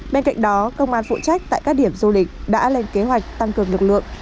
bên cạnh đó công an phụ trách tại các điểm du lịch đã lên kế hoạch tăng cường lực lượng